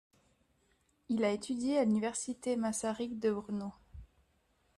Il a étudié à l'Université Masaryk de Brno.